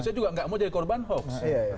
saya juga nggak mau jadi korban hoax